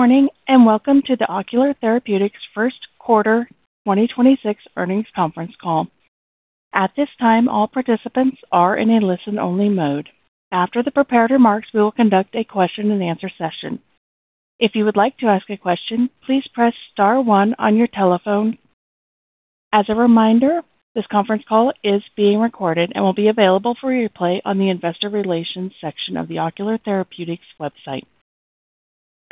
Morning, and welcome to the Ocular Therapeutix first quarter 2026 earnings conference call. At this time, all participants are in a listen-only mode. After the prepared remarks, we will conduct a question-and-answer session. If you would like to ask a question, please press star one on your telephone. As a reminder, this conference call is being recorded and will be available for replay on the Investor Relations section of the Ocular Therapeutix website.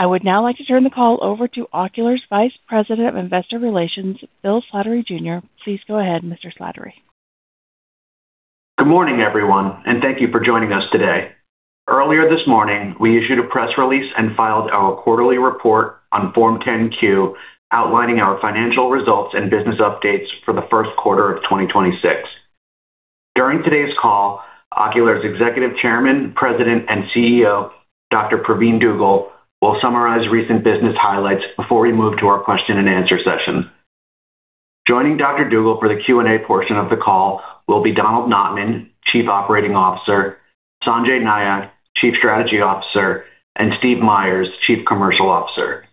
I would now like to turn the call over to Ocular's Vice President of Investor Relations, Bill Slattery Jr. Please go ahead, Mr. Slattery. Good morning, everyone, and thank you for joining us today. Earlier this morning, we issued a press release and filed our quarterly report on Form 10-Q, outlining our financial results and business updates for the first quarter of 2026. During today's call, Ocular's Executive Chairman, President, and CEO, Dr. Pravin Dugel, will summarize recent business highlights before we move to our question-and-answer session. Joining Dr. Dugel for the Q&A portion of the call will be Donald Notman, Chief Operating Officer, Sanjay Nayak, Chief Strategy Officer, and Steve Meyers, Chief Commercial Officer.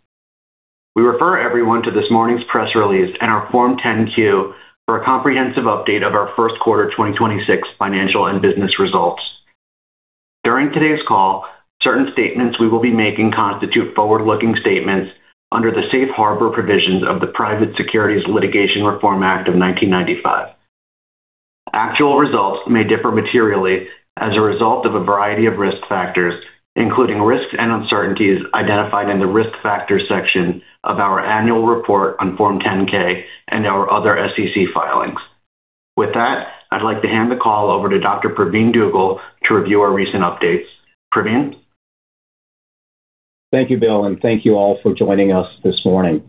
We refer everyone to this morning's press release and our Form 10-Q for a comprehensive update of our first quarter 2026 financial and business results. During today's call, certain statements we will be making constitute forward-looking statements under the safe harbor provisions of the Private Securities Litigation Reform Act of 1995. Actual results may differ materially as a result of a variety of risk factors, including risks and uncertainties identified in the Risk Factors section of our annual report on Form 10-K and our other SEC filings. With that, I'd like to hand the call over to Dr. Pravin Dugel to review our recent updates. Pravin. Thank you, Bill, and thank you all for joining us this morning.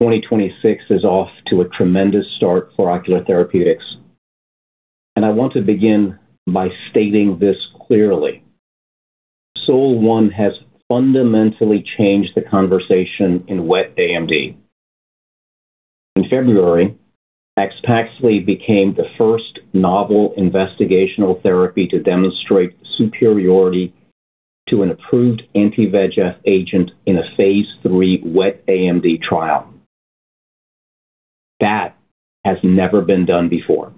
2026 is off to a tremendous start for Ocular Therapeutix, and I want to begin by stating this clearly. SOL-1 has fundamentally changed the conversation in wet AMD. In February, AXPAXLI became the first novel investigational therapy to demonstrate superiority to an approved anti-VEGF agent in a phase III wet AMD trial. That has never been done before.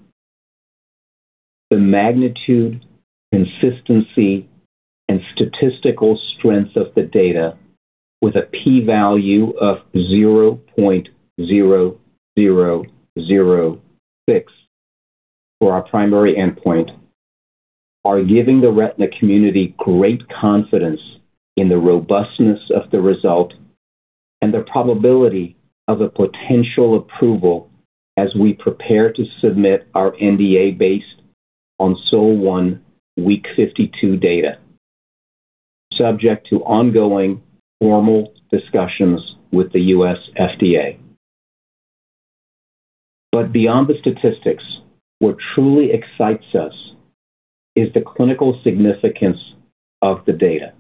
The magnitude, consistency, and statistical strength of the data with a p-value of 0.0006 for our primary endpoint are giving the retina community great confidence in the robustness of the result and the probability of a potential approval as we prepare to submit our NDA based on SOL-1 week 52 data, subject to ongoing formal discussions with the U.S. FDA. Beyond the statistics, what truly excites us is the clinical significance of the data.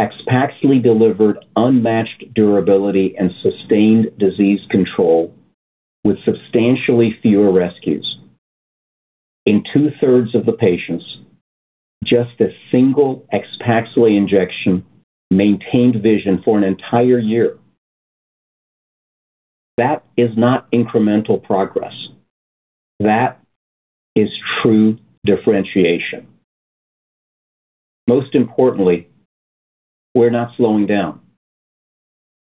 AXPAXLI delivered unmatched durability and sustained disease control with substantially fewer rescues. In two-thirds of the patients, just a single AXPAXLI injection maintained vision for an entire year. That is not incremental progress. That is true differentiation. Most importantly, we're not slowing down.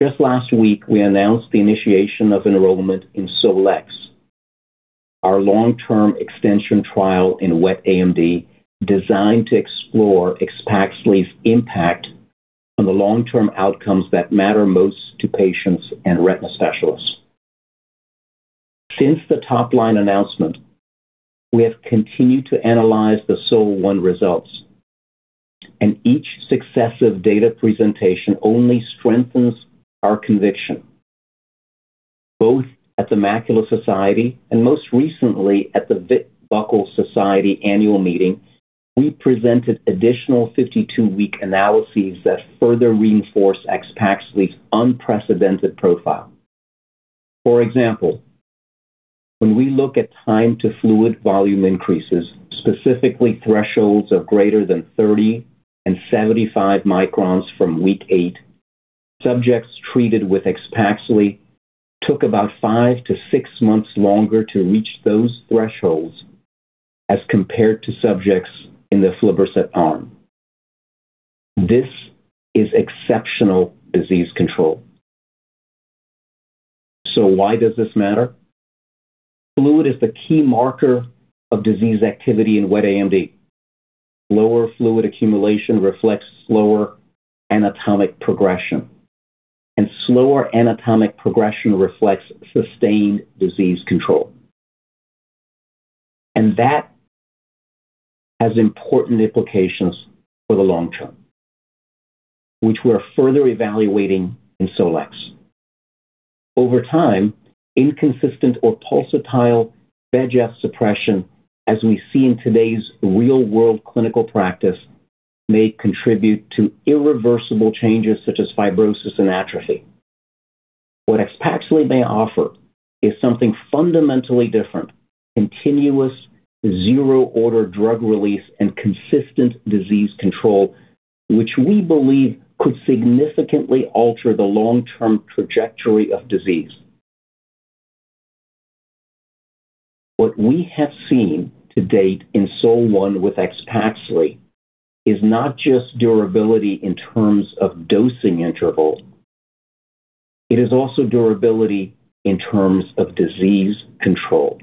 Just last week, we announced the initiation of enrollment in SOL-X, our long-term extension trial in wet AMD designed to explore AXPAXLI's impact on the long-term outcomes that matter most to patients and retina specialists. Since the top-line announcement, we have continued to analyze the SOL-1 results, and each successive data presentation only strengthens our conviction. Both at The Macula Society and most recently at the Vit-Buckle Society annual meeting, we presented additional 52-week analyses that further reinforce AXPAXLI's unprecedented profile. For example, when we look at time to fluid volume increases, specifically thresholds of greater than 30 µm and 75 µm from week, subjects treated with AXPAXLI took about 5-6 months longer to reach those thresholds as compared to subjects in the aflibercept arm. This is exceptional disease control. Why does this matter? Fluid is the key marker of disease activity in wet AMD. Lower fluid accumulation reflects slower anatomic progression, and slower anatomic progression reflects sustained disease control. That has important implications for the long term, which we are further evaluating in SOL-X. Over time, inconsistent or pulsatile VEGF suppression, as we see in today's real-world clinical practice, may contribute to irreversible changes such as fibrosis and atrophy. What AXPAXLI may offer is something fundamentally different, continuous zero-order drug release and consistent disease control, which we believe could significantly alter the long-term trajectory of disease. What we have seen to date in SOL-1 with AXPAXLI is not just durability in terms of dosing intervals. It is also durability in terms of disease control.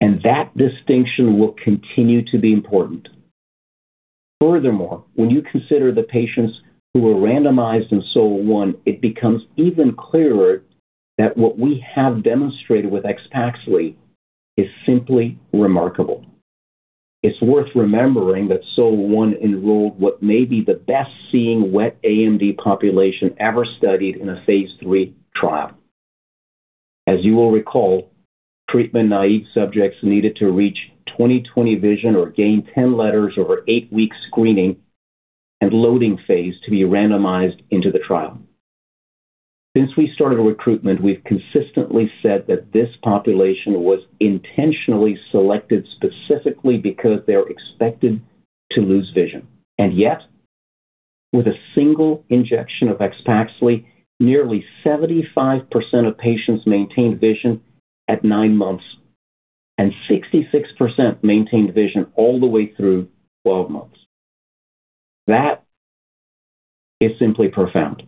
That distinction will continue to be important. Furthermore, when you consider the patients who were randomized in SOL-1, it becomes even clearer that what we have demonstrated with AXPAXLI is simply remarkable. It's worth remembering that SOL-1 enrolled what may be the best seeing wet AMD population ever studied in a phase III trial. As you will recall, treatment-naive subjects needed to reach 20/20 vision or gain 10 letters over eight weeks screening and loading phase to be randomized into the trial. Since we started recruitment, we've consistently said that this population was intentionally selected specifically because they are expected to lose vision. Yet, with a single injection of AXPAXLI, nearly 75% of patients maintained vision at nine months and 66% maintained vision all the way through 12 months. That is simply profound.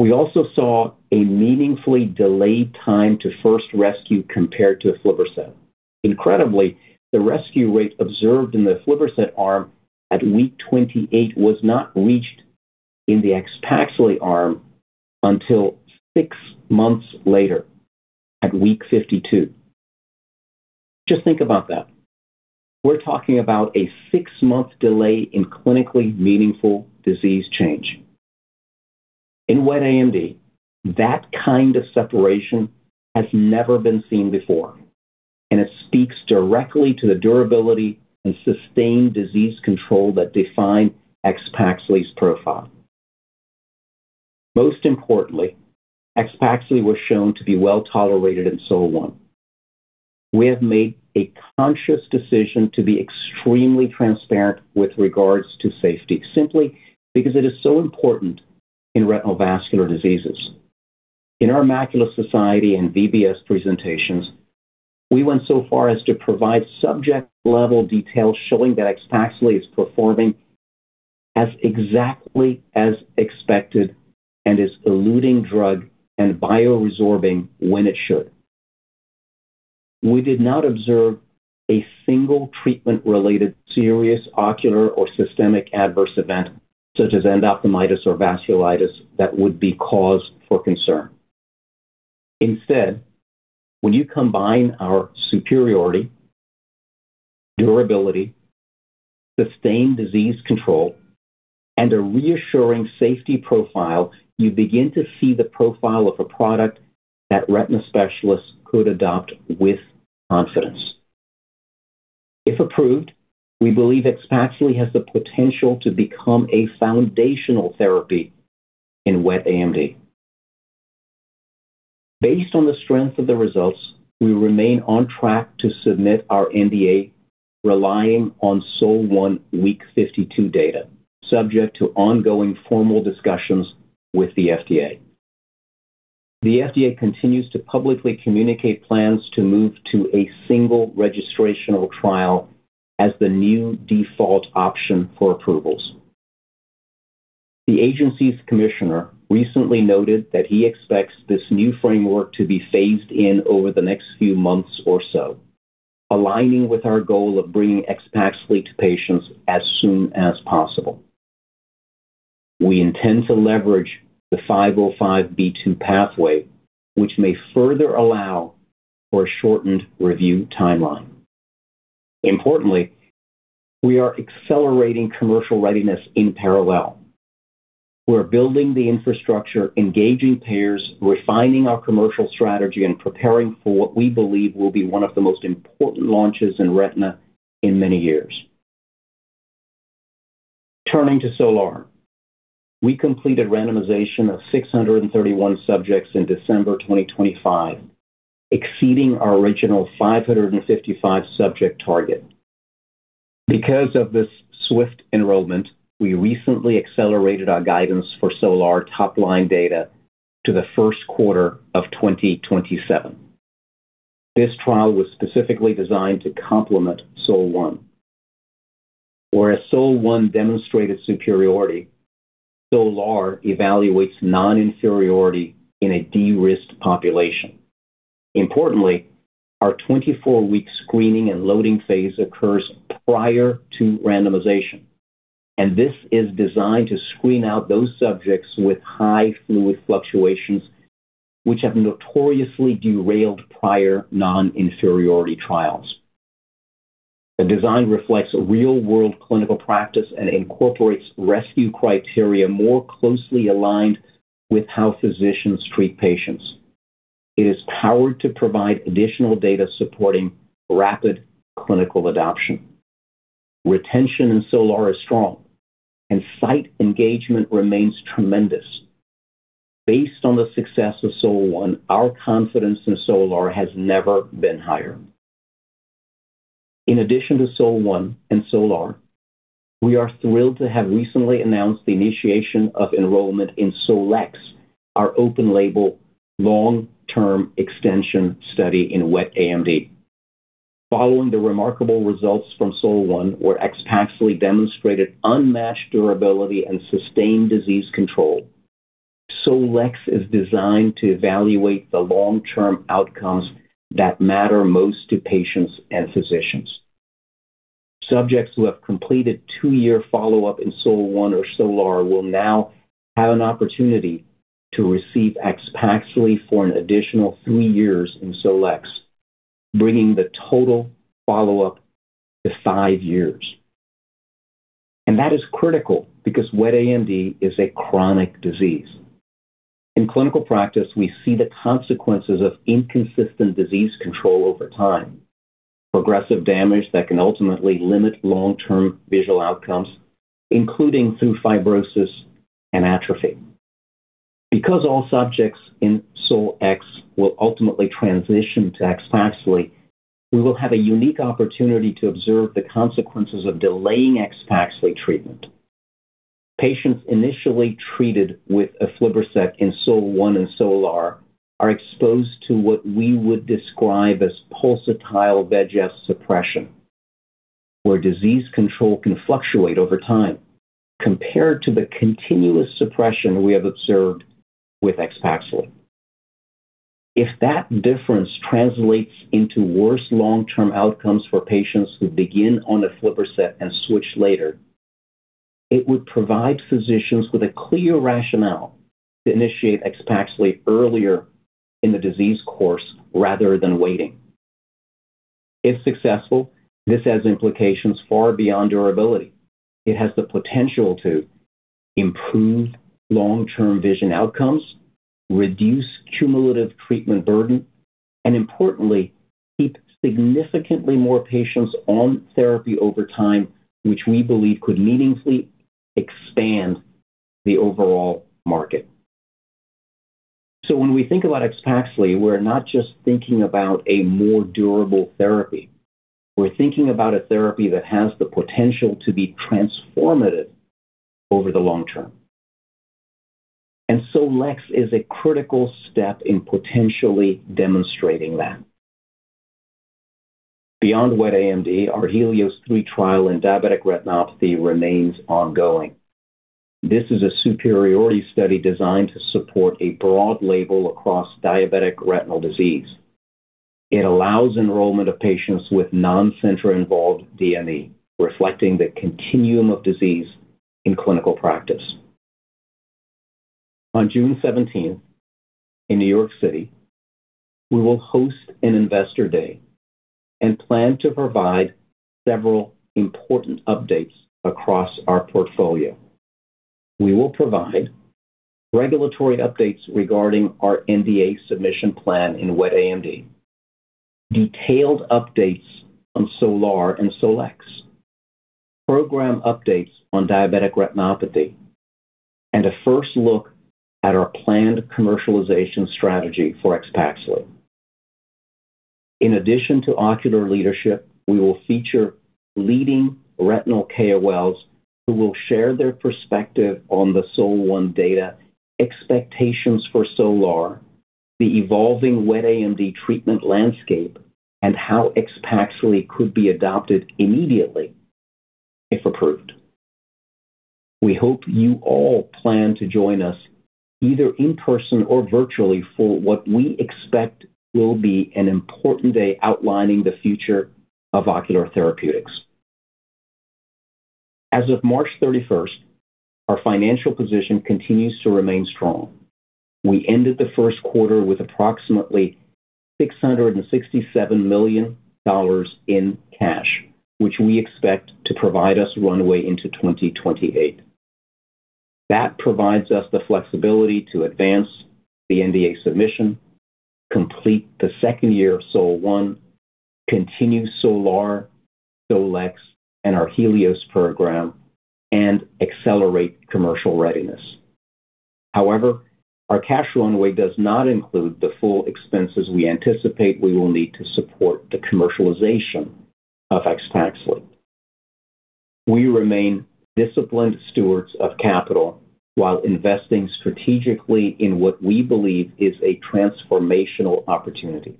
We also saw a meaningfully delayed time to first rescue compared to aflibercept. Incredibly, the rescue rate observed in the aflibercept arm at week 28 was not reached in the AXPAXLI arm until six months later at week 52. Just think about that. We're talking about a six-month delay in clinically meaningful disease change. In wet AMD, that kind of separation has never been seen before. It speaks directly to the durability and sustained disease control that define AXPAXLI's profile. Most importantly, AXPAXLI was shown to be well-tolerated in SOL-1. We have made a conscious decision to be extremely transparent with regards to safety simply because it is so important in retinal vascular diseases. In our Macula Society and VBS presentations, we went so far as to provide subject-level details showing that AXPAXLI is performing as exactly as expected and is eluding drug and bioresorbing when it should. We did not observe a single treatment-related serious ocular or systemic adverse event such as endophthalmitis or vasculitis that would be caused for concern. Instead, when you combine our superiority, durability, sustained disease control, and a reassuring safety profile, you begin to see the profile of a product that retina specialists could adopt with confidence. If approved, we believe AXPAXLI has the potential to become a foundational therapy in wet AMD. Based on the strength of the results, we remain on track to submit our NDA relying on SOL-1 week 52 data, subject to ongoing formal discussions with the FDA. The FDA continues to publicly communicate plans to move to a single registrational trial as the new default option for approvals. The agency's commissioner recently noted that he expects this new framework to be phased in over the next few months or so, aligning with our goal of bringing AXPAXLI to patients as soon as possible. We intend to leverage the 505(b)(2) pathway, which may further allow for a shortened review timeline. Importantly, we are accelerating commercial readiness in parallel. We are building the infrastructure, engaging payers, refining our commercial strategy, and preparing for what we believe will be one of the most important launches in retina in many years. Turning to SOL-R, we completed randomization of 631 subjects in December 2025, exceeding our original 555 subject target. Because of this swift enrollment, we recently accelerated our guidance for SOL-R top-line data to the first quarter of 2027. This trial was specifically designed to complement SOL-1. Whereas SOL-1 demonstrated superiority, SOL-R evaluates non-inferiority in a de-risked population. Importantly, our 24-week screening and loading phase occurs prior to randomization, and this is designed to screen out those subjects with high fluid fluctuations, which have notoriously derailed prior non-inferiority trials. The design reflects real-world clinical practice and incorporates rescue criteria more closely aligned with how physicians treat patients. It is powered to provide additional data supporting rapid clinical adoption. Retention in SOL-R is strong, and site engagement remains tremendous. Based on the success of SOL-1, our confidence in SOL-R has never been higher. In addition to SOL-1 and SOL-R, we are thrilled to have recently announced the initiation of enrollment in SOL-X, our open label long-term extension study in wet AMD. Following the remarkable results from SOL-1, where AXPAXLI demonstrated unmatched durability and sustained disease control. SOL-X is designed to evaluate the long-term outcomes that matter most to patients and physicians. Subjects who have completed two-year follow-up in SOL-1 or SOL-R will now have an opportunity to receive AXPAXLI for an additional three years in SOL-X, bringing the total follow-up to five years. That is critical because wet AMD is a chronic disease. In clinical practice, we see the consequences of inconsistent disease control over time, progressive damage that can ultimately limit long-term visual outcomes, including through fibrosis and atrophy. Because all subjects in SOL-X will ultimately transition to AXPAXLI, we will have a unique opportunity to observe the consequences of delaying AXPAXLI treatment. Patients initially treated with aflibercept in SOL-1 and SOL-R are exposed to what we would describe as pulsatile VEGF suppression, where disease control can fluctuate over time compared to the continuous suppression we have observed with AXPAXLI. If that difference translates into worse long-term outcomes for patients who begin on aflibercept and switch later, it would provide physicians with a clear rationale to initiate AXPAXLI earlier in the disease course rather than waiting. If successful, this has implications far beyond durability. It has the potential to improve long-term vision outcomes, reduce cumulative treatment burden, and importantly, keep significantly more patients on therapy over time, which we believe could meaningfully expand the overall market. When we think about AXPAXLI, we're not just thinking about a more durable therapy. We're thinking about a therapy that has the potential to be transformative over the long term. SOL-X is a critical step in potentially demonstrating that. Beyond wet AMD, our HELIOS-3 trial in diabetic retinopathy remains ongoing. This is a superiority study designed to support a broad label across diabetic retinal disease. It allows enrollment of patients with non-central involved DME, reflecting the continuum of disease in clinical practice. On June 17th, in New York City, we will host an Investor Day and plan to provide several important updates across our portfolio. We will provide regulatory updates regarding our NDA submission plan in wet AMD, detailed updates on SOL-R and SOL-X, program updates on diabetic retinopathy, and a first look at our planned commercialization strategy for AXPAXLI. In addition to Ocular leadership, we will feature leading retinal KOLs who will share their perspective on the SOL-1 data, expectations for SOL-R, the evolving wet AMD treatment landscape, and how AXPAXLI could be adopted immediately if approved. We hope you all plan to join us either in person or virtually for what we expect will be an important day outlining the future of Ocular Therapeutix. As of March 31st, our financial position continues to remain strong. We ended the first quarter with approximately $667 million in cash, which we expect to provide us runway into 2028. That provides us the flexibility to advance the NDA submission, complete the second year of SOL-1, continue SOL-R, SOL-X, and our HELIOS program, and accelerate commercial readiness. However, our cash runway does not include the full expenses we anticipate we will need to support the commercialization of AXPAXLI. We remain disciplined stewards of capital while investing strategically in what we believe is a transformational opportunity.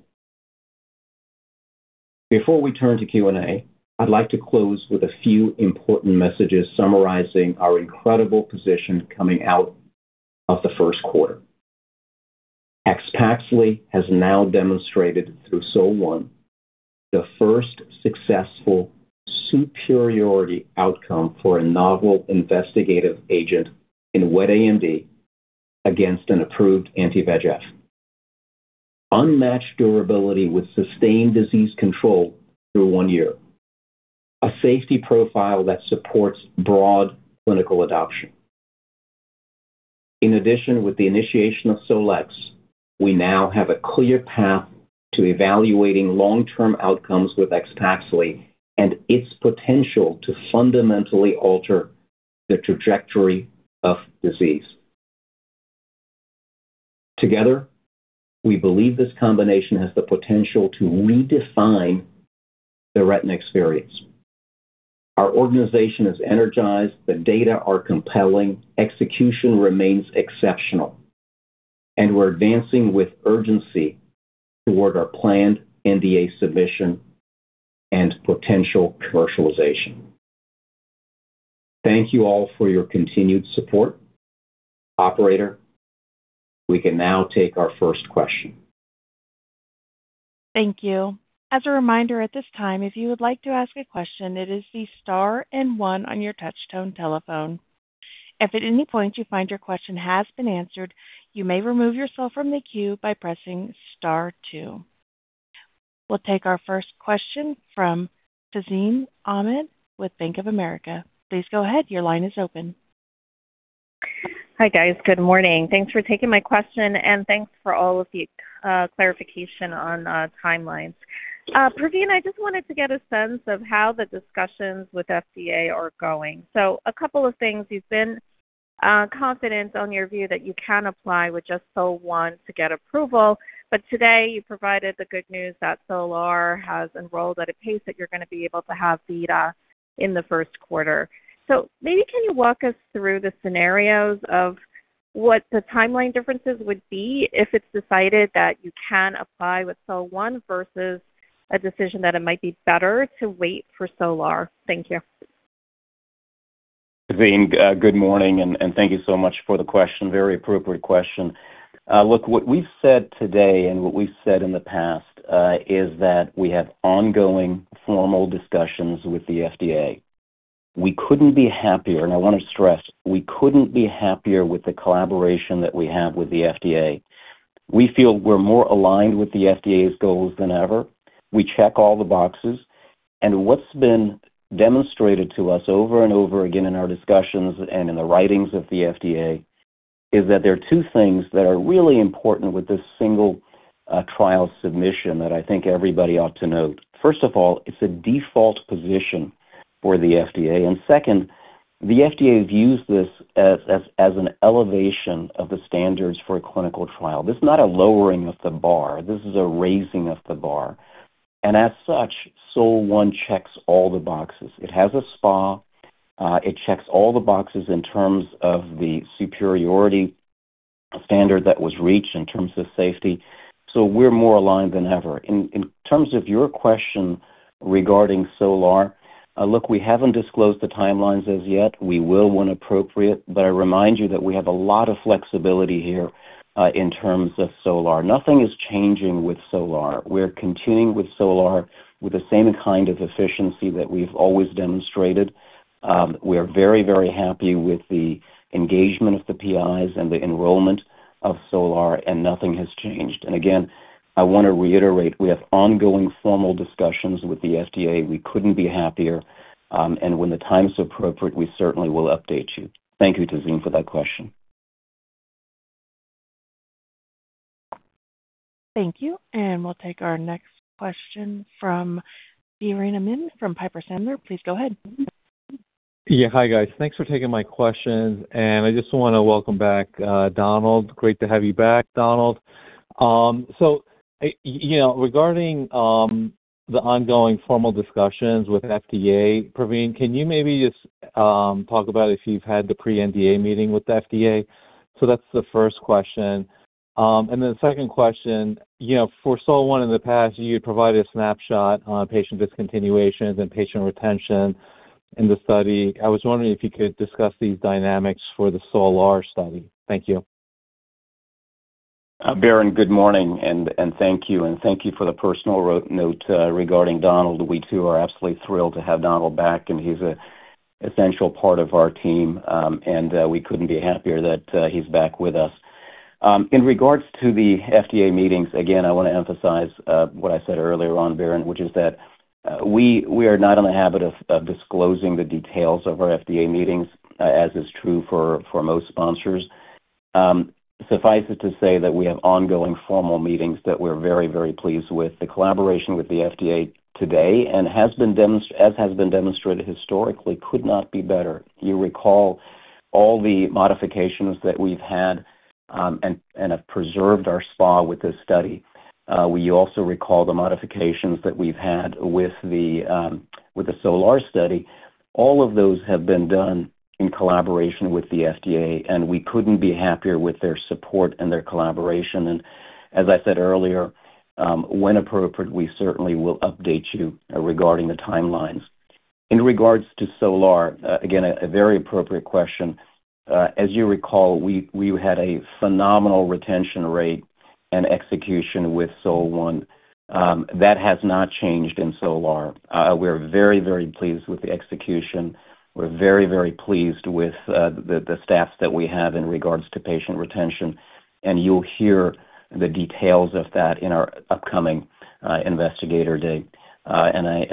Before we turn to Q&A, I'd like to close with a few important messages summarizing our incredible position coming out of the first quarter. AXPAXLI has now demonstrated through SOL-1 the first successful superiority outcome for a novel investigative agent in wet AMD against an approved anti-VEGF. Unmatched durability with sustained disease control through one year. A safety profile that supports broad clinical adoption. In addition, with the initiation of SOL-X, we now have a clear path to evaluating long-term outcomes with AXPAXLI and its potential to fundamentally alter the trajectory of disease. Together, we believe this combination has the potential to redefine the retina experience. Our organization is energized. The data are compelling. Execution remains exceptional. We're advancing with urgency toward our planned NDA submission and potential commercialization. Thank you all for your continued support. Operator, we can now take our first question. Thank you. As a reminder at this time, if you would like to ask a question, it is the star and one on your touch-tone telephone. If at any point you find your question has been answered, you may remove yourself from the queue by pressing star two. We'll take our first question from Tazeen Ahmad with Bank of America. Please go ahead. Your line is open. Hi, guys. Good morning. Thanks for taking my question, and thanks for all of the clarification on timelines. Pravin, I just wanted to get a sense of how the discussions with FDA are going. A couple of things. You've been confident on your view that you can apply with just SOL-1 to get approval. Today you provided the good news that SOL-R has enrolled at a pace that you're gonna be able to have data in the first quarter. Maybe can you walk us through the scenarios of what the timeline differences would be if it's decided that you can apply with SOL-1 versus a decision that it might be better to wait for SOL-R? Thank you. Tazeen, good morning, and thank you so much for the question. Very appropriate question. Look, what we've said today and what we've said in the past, is that we have ongoing formal discussions with the FDA. We couldn't be happier, and I want to stress, we couldn't be happier with the collaboration that we have with the FDA. We feel we're more aligned with the FDA's goals than ever. We check all the boxes. What's been demonstrated to us over and over again in our discussions and in the writings of the FDA is that there are two things that are really important with this single trial submission that I think everybody ought to note. First of all, it's a default position for the FDA. Second, the FDA views this as an elevation of the standards for a clinical trial. This is not a lowering of the bar. This is a raising of the bar, and as such, SOL-1 checks all the boxes. It has a SPA. It checks all the boxes in terms of the superiority standard that was reached in terms of safety. We're more aligned than ever. In terms of your question regarding SOL-R, look, we haven't disclosed the timelines as yet. We will when appropriate. I remind you that we have a lot of flexibility here in terms of SOL-R. Nothing is changing with SOL-R. We're continuing with SOL-R with the same kind of efficiency that we've always demonstrated. We're very, very happy with the engagement of the PIs and the enrollment of SOL-R, and nothing has changed. I want to reiterate, we have ongoing formal discussions with the FDA. We couldn't be happier. When the time is appropriate, we certainly will update you. Thank you, Tazeen, for that question. Thank you. We'll take our next question from Biren Amin from Piper Sandler. Please go ahead. Yeah. Hi, guys. Thanks for taking my questions. I just wanna welcome back, Donald. Great to have you back, Donald. You know, regarding the ongoing formal discussions with FDA, Pravin, can you maybe just talk about if you've had the pre-NDA meeting with the FDA? That's the first question. The second question, you know, for SOL-1 in the past, you had provided a snapshot on patient discontinuations and patient retention in the study. I was wondering if you could discuss these dynamics for the SOL-R study. Thank you. Biren, good morning, and thank you, and thank you for the personal note regarding Donald. We too are absolutely thrilled to have Donald back, and he's a essential part of our team. We couldn't be happier that he's back with us. In regards to the FDA meetings, again, I wanna emphasize what I said earlier on, Biren, which is that we are not in the habit of disclosing the details of our FDA meetings, as is true for most sponsors. Suffice it to say that we have ongoing formal meetings that we're very pleased with. The collaboration with the FDA today and has been demonstrated historically could not be better. You recall all the modifications that we've had, and have preserved our SPA with this study. We also recall the modifications that we've had with the SOL-R study. All of those have been done in collaboration with the FDA, and we couldn't be happier with their support and their collaboration. As I said earlier, when appropriate, we certainly will update you regarding the timelines. In regards to SOL-R, again, a very appropriate question. As you recall, we had a phenomenal retention rate and execution with SOL-1. That has not changed in SOL-R. We're very pleased with the execution. We're very pleased with the stats that we have in regards to patient retention, and you'll hear the details of that in our upcoming Investor Day. I'm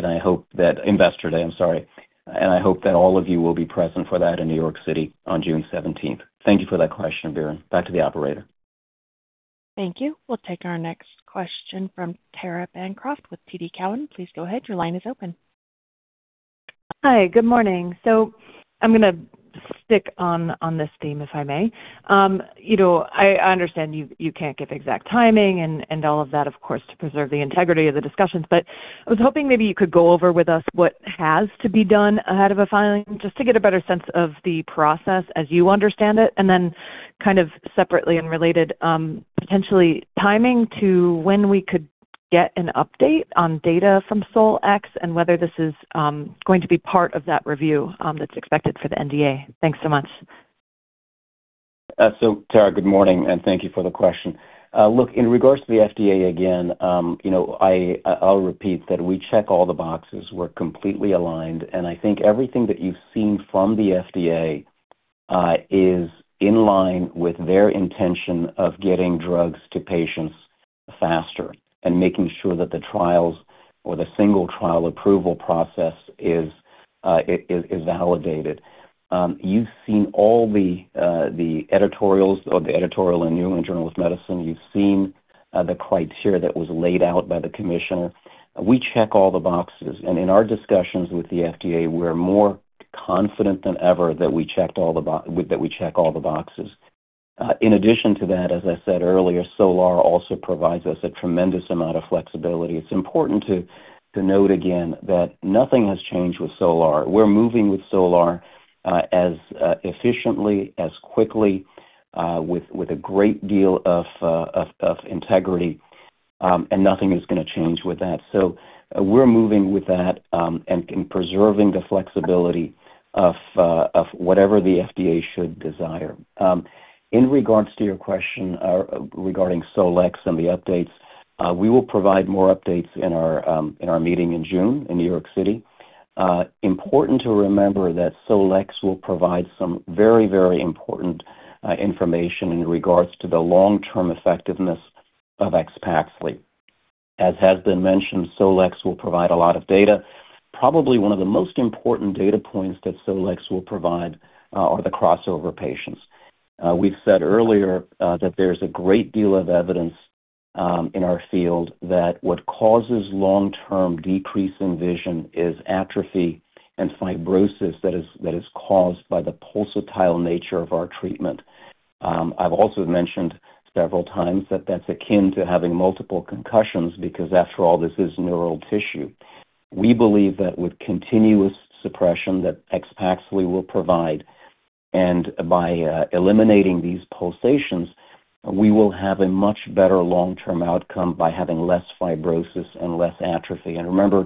sorry. I hope that all of you will be present for that in New York City on June 17th. Thank you for that question, Biren. Back to the operator. Thank you. We'll take our next question from Tara Bancroft with TD Cowen. Please go ahead. Hi, good morning. I'm going to stick on this theme, if I may. You know, I understand you can't give exact timing and all of that, of course, to preserve the integrity of the discussions. I was hoping maybe you could go over with us what has to be done ahead of a filing, just to get a better sense of the process as you understand it. Kind of separately and related, potentially timing to when we could get an update on data from SOL-X and whether this is going to be part of that review that's expected for the NDA. Thanks so much. Tara, good morning, and thank you for the question. Look, in regards to the FDA again, you know, I'll repeat that we check all the boxes. We're completely aligned, and I think everything that you've seen from the FDA is in line with their intention of getting drugs to patients faster and making sure that the trials or the single trial approval process is validated. You've seen all the editorials or the editorial in New England Journal of Medicine. You've seen the criteria that was laid out by the commissioner. We check all the boxes, and in our discussions with the FDA, we're more confident than ever that we check all the boxes. In addition to that, as I said earlier, SOL-R also provides us a tremendous amount of flexibility. It's important to note again that nothing has changed with SOL-R. We're moving with SOL-R as efficiently, as quickly, with a great deal of integrity, and nothing is gonna change with that. We're moving with that and preserving the flexibility of whatever the FDA should desire. In regards to your question regarding SOL-X and the updates, we will provide more updates in our meeting in June in New York City. Important to remember that SOL-X will provide some very important information in regards to the long-term effectiveness of AXPAXLI. As has been mentioned, SOL-X will provide a lot of data. Probably one of the most important data points that SOL-X will provide are the crossover patients. We've said earlier that there's a great deal of evidence in our field that what causes long-term decrease in vision is atrophy and fibrosis that is, that is caused by the pulsatile nature of our treatment. I've also mentioned several times that that's akin to having multiple concussions because after all, this is neural tissue. We believe that with continuous suppression that AXPAXLI will provide, and by eliminating these pulsations, we will have a much better long-term outcome by having less fibrosis and less atrophy. Remember,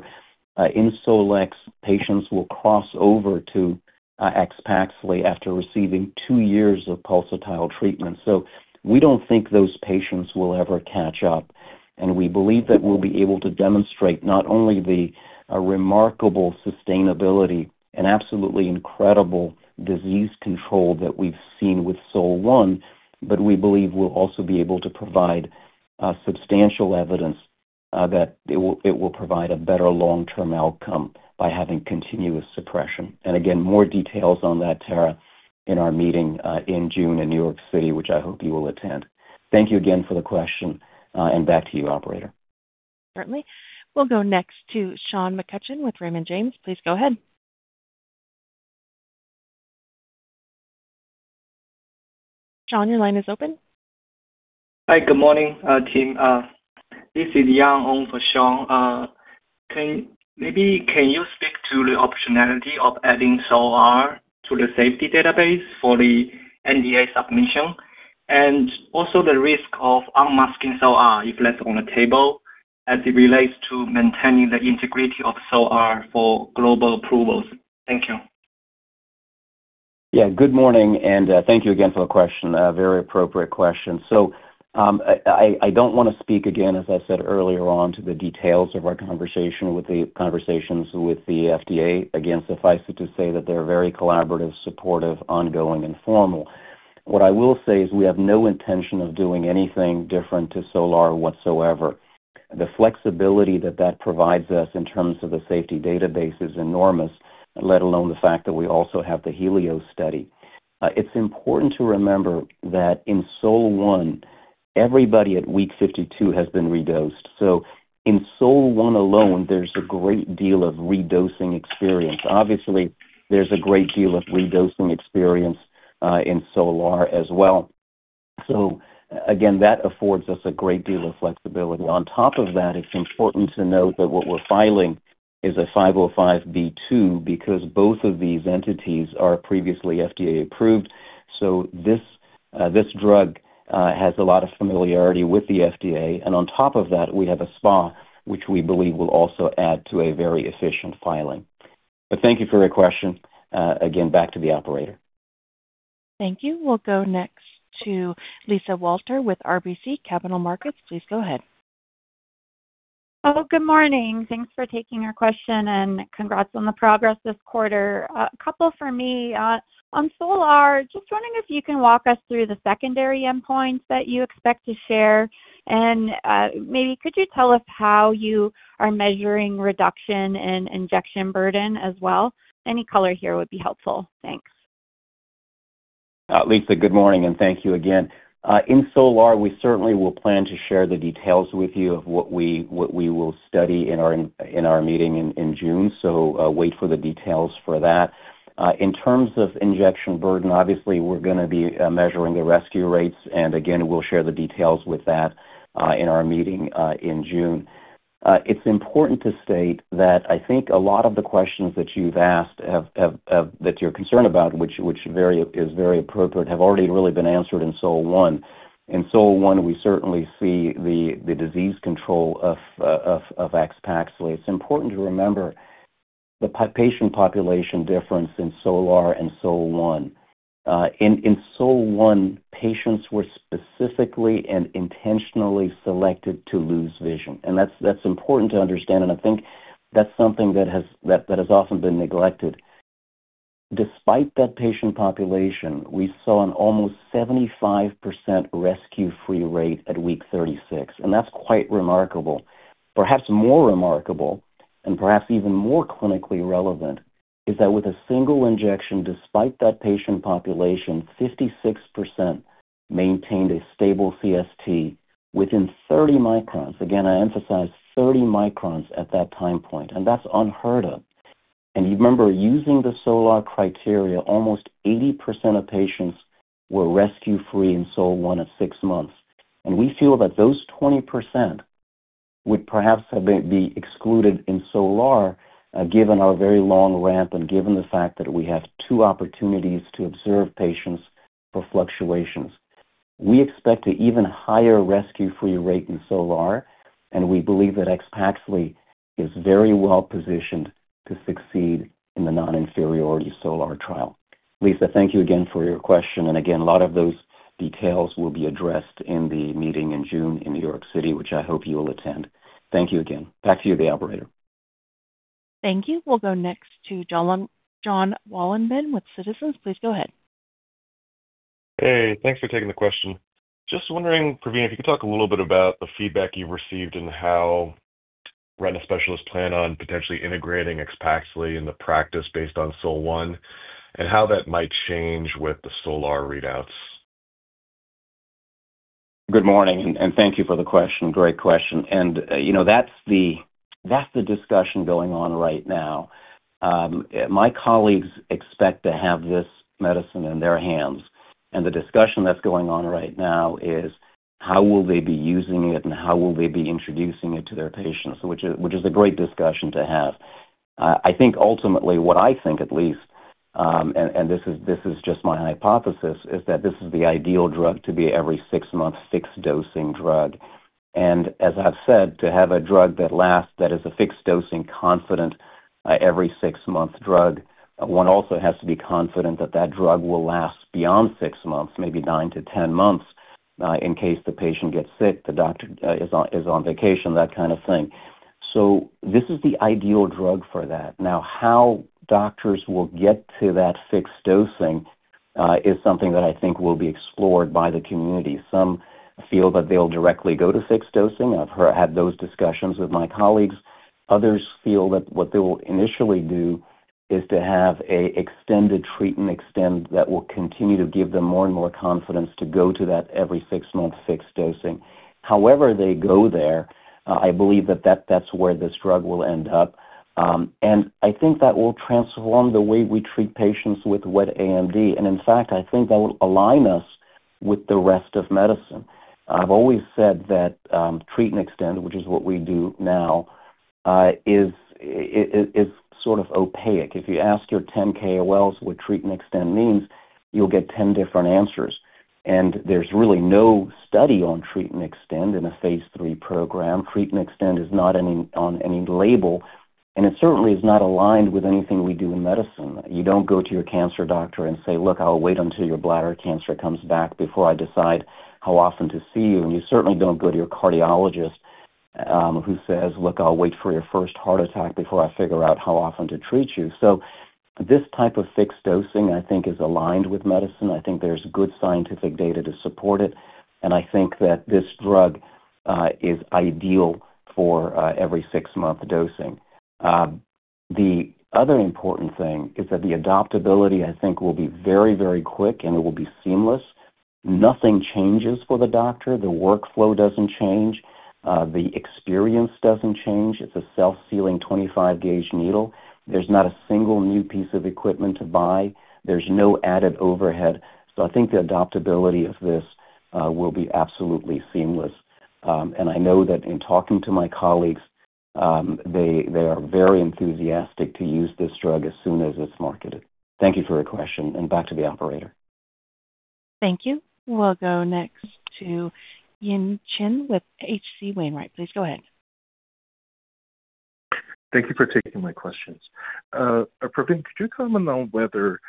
in SOL-X, patients will cross over to AXPAXLI after receiving two years of pulsatile treatment. We don't think those patients will ever catch up, and we believe that we'll be able to demonstrate not only the remarkable sustainability and absolutely incredible disease control that we've seen with SOL-1, but we believe we'll also be able to provide substantial evidence that it will provide a better long-term outcome by having continuous suppression. Again, more details on that, Tara, in our meeting in June in New York City, which I hope you will attend. Thank you again for the question, and back to you, operator. Certainly. We'll go next to Sean McCutcheon with Raymond James. Please go ahead. Sean, your line is open. Hi, good morning, team. This is Yang Long for Sean. Maybe can you speak to the optionality of adding SOL-R to the safety database for the NDA submission? Also the risk of unmasking SOL-R if left on the table as it relates to maintaining the integrity of SOL-R for global approvals? Thank you. Good morning, thank you again for the question. A very appropriate question. I don't want to speak again, as I said earlier on, to the details of our conversations with the FDA. Suffice it to say that they're very collaborative, supportive, ongoing, and formal. What I will say is we have no intention of doing anything different to SOL-R whatsoever. The flexibility that that provides us in terms of the safety database is enormous, let alone the fact that we also have the HELIOS study. It's important to remember that in SOL-1, everybody at week 52 has been redosed. In SOL-1 alone, there's a great deal of redosing experience. Obviously, there's a great deal of redosing experience in SOL-R as well. Again, that affords us a great deal of flexibility. On top of that, it's important to note that what we're filing is a 505(b)(2) because both of these entities are previously FDA approved. This drug has a lot of familiarity with the FDA. On top of that, we have a SPA, which we believe will also add to a very efficient filing. Thank you for your question. Again, back to the operator. Thank you. We'll go next to Lisa Walter with RBC Capital Markets. Please go ahead. Good morning. Thanks for taking our question, congrats on the progress this quarter. A couple for me. On SOL-R, just wondering if you can walk us through the secondary endpoints that you expect to share, maybe could you tell us how you are measuring reduction in injection burden as well? Any color here would be helpful. Thanks. Lisa, good morning and thank you again. In SOL-R, we certainly will plan to share the details with you of what we will study in our meeting in June, wait for the details for that. In terms of injection burden, obviously we're gonna be measuring the rescue rates, again, we'll share the details with that in our meeting in June. It's important to state that I think a lot of the questions that you've asked that you're concerned about, which is very appropriate, have already really been answered in SOL-1. In SOL-1, we certainly see the disease control of AXPAXLI. It's important to remember the patient population difference in SOL-R and SOL-1. In SOL-1, patients were specifically and intentionally selected to lose vision, and that's important to understand, and I think that's something that has often been neglected. Despite that patient population, we saw an almost 75% rescue-free rate at week 36, and that's quite remarkable. Perhaps more remarkable, and perhaps even more clinically relevant, is that with a single injection, despite that patient population, 56% maintained a stable CST within 30 microns. Again, I emphasize 30 µm at that time point, and that's unheard of. Remember, using the SOL-R criteria, almost 80% of patients were rescue-free in SOL-1 at six months. We feel that those 20% would perhaps be excluded in SOL-R, given our very long ramp and given the fact that we have two opportunities to observe patients for fluctuations. We expect an even higher rescue-free rate in SOL-R. We believe that AXPAXLI is very well-positioned to succeed in the non-inferiority SOL-R trial. Lisa, thank you again for your question. Again, a lot of those details will be addressed in the meeting in June in New York City, which I hope you will attend. Thank you again. Back to you, the operator. Thank you. We'll go next to Jon Wolleben with Citizens. Please go ahead. Hey, thanks for taking the question. Just wondering, Pravin, if you could talk a little bit about the feedback you've received and how retina specialists plan on potentially integrating AXPAXLI in the practice based on SOL-1, and how that might change with the SOL-R readouts. Good morning, and thank you for the question. Great question. You know, that's the discussion going on right now. My colleagues expect to have this medicine in their hands, and the discussion that's going on right now is how will they be using it, and how will they be introducing it to their patients? Which is a great discussion to have. I think ultimately, what I think at least, and this is just my hypothesis, is that this is the ideal drug to be every six months, fixed dosing drug. As I've said, to have a drug that lasts, that is a fixed dosing confident, every six-month drug, one also has to be confident that that drug will last beyond six months, maybe 9-10 months, in case the patient gets sick, the doctor is on vacation, that kind of thing. This is the ideal drug for that. How doctors will get to that fixed dosing is something that I think will be explored by the community. Some feel that they'll directly go to fixed dosing. I've had those discussions with my colleagues. Others feel that what they will initially do is to have an extended treat and extend that will continue to give them more and more confidence to go to that every six-month fixed dosing. However they go there, I believe that's where this drug will end up. I think that will transform the way we treat patients with wet AMD. In fact, I think that will align us with the rest of medicine. I've always said that, treat and extend, which is what we do now, is sort of opaque. If you ask your 10 KOLs what treat and extend means, you'll get 10 different answers. There's really no study on treat and extend in a phase III program. Treat and extend is not on any label, it certainly is not aligned with anything we do in medicine. You don't go to your cancer doctor and say, "Look, I'll wait until your bladder cancer comes back before I decide how often to see you." You certainly don't go to your cardiologist, who says, "Look, I'll wait for your first heart attack before I figure out how often to treat you." This type of fixed dosing I think is aligned with medicine. I think there's good scientific data to support it, and I think that this drug is ideal for every six-month dosing. The other important thing is that the adaptability, I think, will be very, very quick, and it will be seamless. Nothing changes for the doctor. The workflow doesn't change. The experience doesn't change. It's a self-sealing 25-gauge needle. There's not a single new piece of equipment to buy. There's no added overhead. I think the adaptability of this will be absolutely seamless. I know that in talking to my colleagues, they are very enthusiastic to use this drug as soon as it's marketed. Thank you for your question, and back to the operator. Thank you. We'll go next to Yi Chen with H.C. Wainwright. Please go ahead. Thank you for taking my questions. Pravin, could you comment on whether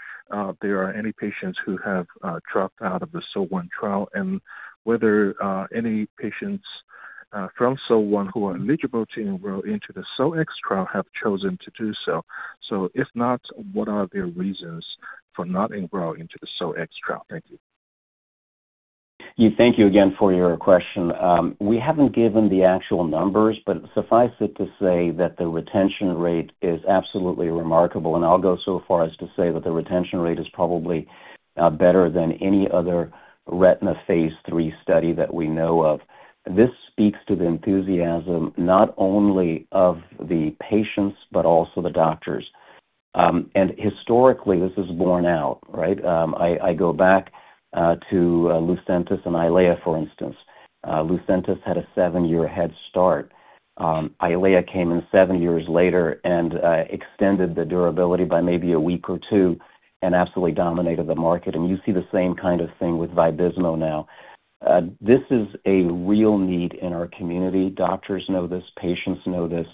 there are any patients who have dropped out of the SOL-1 trial and whether any patients from SOL-1 who are eligible to enroll into the SOL-X trial have chosen to do so? If not, what are their reasons for not enrolling into the SOL-X trial? Thank you. Thank you again for your question. We haven't given the actual numbers, but suffice it to say that the retention rate is absolutely remarkable, and I'll go so far as to say that the retention rate is probably better than any other retina phase III study that we know of. This speaks to the enthusiasm not only of the patients but also the doctors. Historically, this is borne out, right? I go back to LUCENTIS and EYLEA, for instance. LUCENTIS had a seven-year head start. EYLEA came in seven years later and extended the durability by maybe a week or two and absolutely dominated the market. You see the same kind of thing with VABYSMO now. This is a real need in our community. Doctors know this. Patients know this.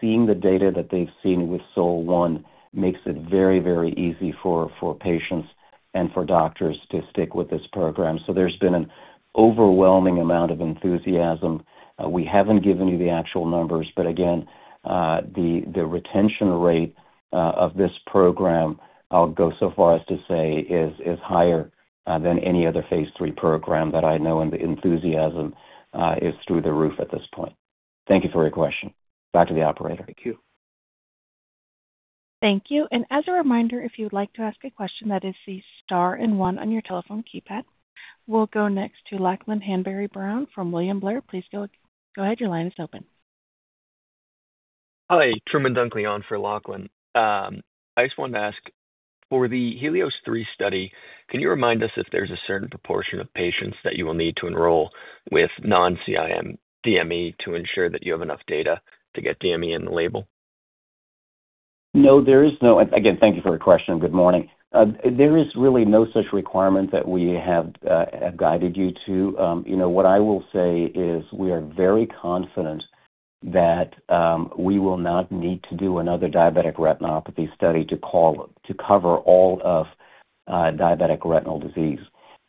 Seeing the data that they've seen with SOL-1 makes it very, very easy for patients and for doctors to stick with this program. There's been an overwhelming amount of enthusiasm. We haven't given you the actual numbers, but again, the retention rate of this program, I'll go so far as to say is higher than any other phase III program that I know, and the enthusiasm is through the roof at this point. Thank you for your question. Back to the operator. Thank you. Thank you. As a reminder, if you would like to ask a question, that is the star and one on your telephone keypad. We'll go next to Lachlan Hanbury-Brown from William Blair. Please go ahead. Your line is open. Hi. Truman Dunkley on for Lachlan. I just wanted to ask, for the HELIOS-3 study, can you remind us if there's a certain proportion of patients that you will need to enroll with non-CI DME to ensure that you have enough data to get DME in the label? No, thank you for your question. Good morning. There is really no such requirement that we have guided you to. You know, what I will say is we are very confident that we will not need to do another diabetic retinopathy study to cover all of diabetic retinal disease.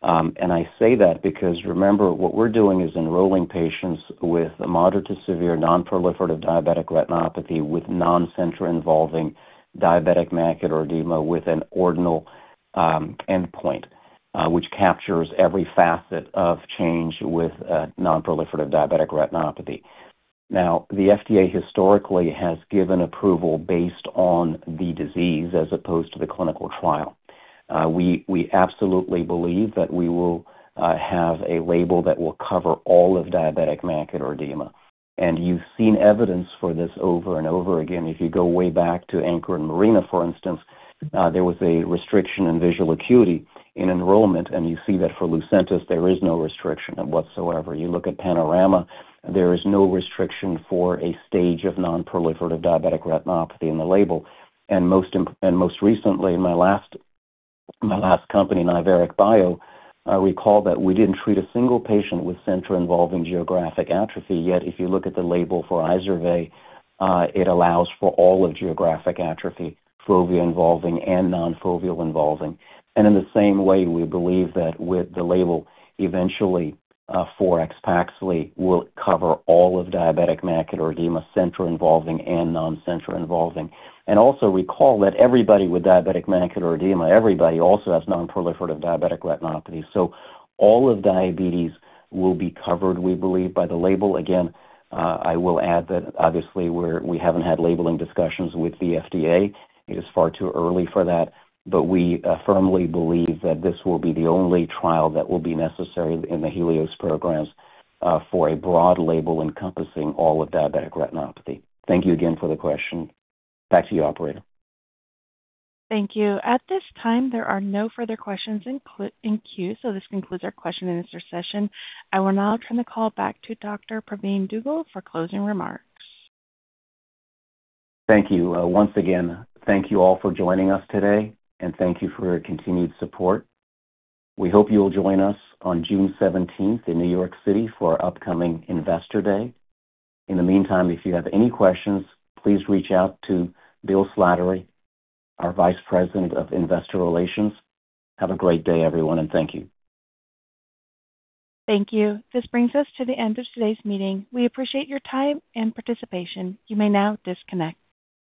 I say that because remember, what we're doing is enrolling patients with a moderate to severe non-proliferative diabetic retinopathy with non-central involving diabetic macular edema with an ordinal endpoint, which captures every facet of change with non-proliferative diabetic retinopathy. The FDA historically has given approval based on the disease as opposed to the clinical trial. We absolutely believe that we will have a label that will cover all of diabetic macular edema. You've seen evidence for this over and over again. If you go way back to ANCHOR and MARINA, for instance, there was a restriction in visual acuity in enrollment, and you see that for LUCENTIS, there is no restriction whatsoever. You look at PANORAMA, there is no restriction for a stage of non-proliferative diabetic retinopathy in the label. Most recently, my last company, Iveric Bio, recall that we didn't treat a single patient with center involving geographic atrophy, yet if you look at the label for IZERVAY, it allows for all of geographic atrophy, fovea involving and non-fovea involving. In the same way, we believe that with the label eventually, for AXPAXLI will cover all of diabetic macular edema, central involving and non-central involving. Also recall that everybody with diabetic macular edema, everybody also has non-proliferative diabetic retinopathy. All of diabetes will be covered, we believe, by the label. I will add that obviously we haven't had labeling discussions with the FDA. It is far too early for that. We firmly believe that this will be the only trial that will be necessary in the HELIOS programs for a broad label encompassing all of diabetic retinopathy. Thank you again for the question. Back to you, operator. Thank you. At this time, there are no further questions in queue. This concludes our question and answer session. I will now turn the call back to Dr. Pravin Dugel for closing remarks. Thank you. Once again, thank you all for joining us today, and thank you for your continued support. We hope you will join us on June 17th in New York City for our upcoming Investor Day. In the meantime, if you have any questions, please reach out to Bill Slattery, our Vice President of Investor Relations. Have a great day, everyone, and thank you. Thank you. This brings us to the end of today's meeting. We appreciate your time and participation. You may now disconnect.